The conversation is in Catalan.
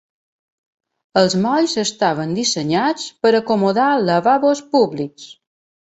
Els molls estaven dissenyats per acomodar lavabos públics.